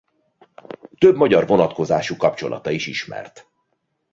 Több magyar vonatkozású kapcsolata is ismert.